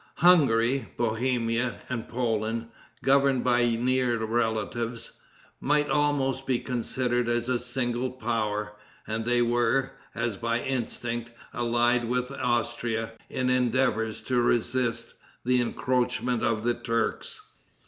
Hungary, Bohemia and Poland, governed by near relatives, might almost be considered as a single power, and they were, as by instinct, allied with Austria in endeavors to resist the encroachments of the Turks.